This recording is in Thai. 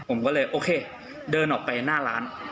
ผมก็เลยโอเคเดินออกไปหน้าร้าน